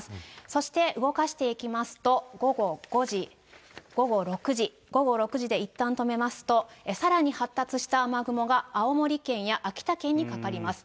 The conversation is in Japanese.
そして動かしていきますと、午後５時、午後６時、午後６時でいったん止めますと、さらに発達した雨雲が青森県や秋田県にかかります。